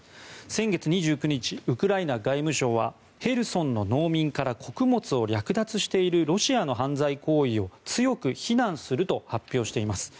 先月２９日ウクライナ外務省はヘルソンの農民から穀物を略奪しているロシアの犯罪行為を強く非難すると発表しています。